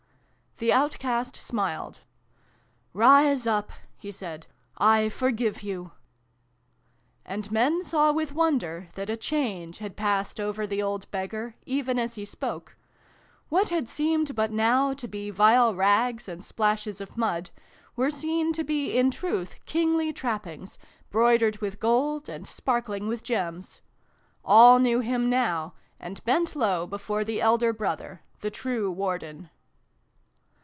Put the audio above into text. The Outcast smiled. " Rise up !" he said. " I forgive you !" And men saw with wonder that a change had passed over the old beggar, even as he spoke. What had seemed, but now, to be vile rags and splashes of mud, were seen to be in truth kingly trappings, broidered with gold, and sparkling with gems. All knew him now, and bent low before the Elder Brother, the true Warden.